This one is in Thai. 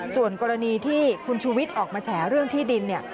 ส่วนกรณีที่คุณชูวิทย์ออกมาแฉเรื่องที่ดินเนี่ย